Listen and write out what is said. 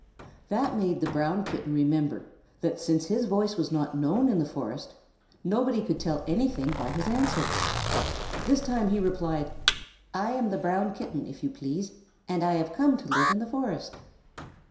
That made the Brown Kitten remember that, since his voice was not known in the forest, nobody could tell anything by his answer. This time he replied: "I am the Brown Kitten, if you please, and I have come to live in the forest."